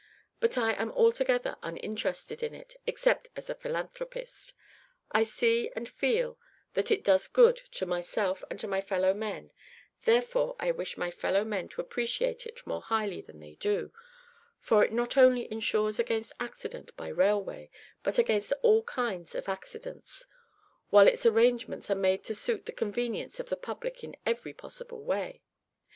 But I am altogether uninterested in it, except as a philanthropist. I see and feel that it does good to myself and to my fellow men, therefore I wish my fellow men to appreciate it more highly than they do, for it not only insures against accident by railway, but against all kinds of accidents; while its arrangements are made to suit the convenience of the public in every possible way."